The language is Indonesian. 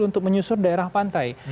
untuk menyusur daerah pantai